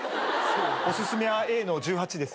お薦めはＡの１８です。